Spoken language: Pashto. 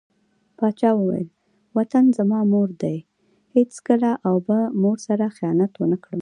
پاچا وويل: وطن زما مور دى هېڅکله او به مور سره خيانت ونه کړم .